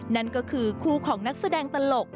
นั่นก็คือคู่ของนักแสดงตลก